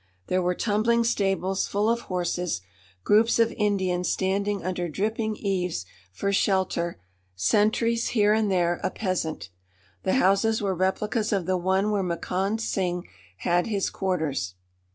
There were tumbling stables full of horses, groups of Indians standing under dripping eaves for shelter, sentries, here and there a peasant. The houses were replicas of the one where Makand Singh had his quarters.